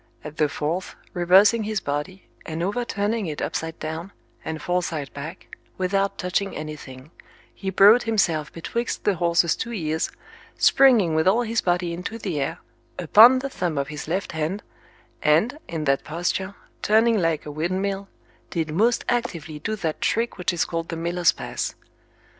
At the fourth, reversing his body, and overturning it upside down, and foreside back, without touching anything, he brought himself betwixt the horse's two ears, springing with all his body into the air, upon the thumb of his left hand, and in that posture, turning like a windmill, did most actively do that trick which is called the miller's pass.